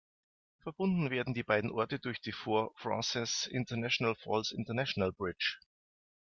Verbunden werden die beiden Orte durch die Fort Frances–International Falls International Bridge.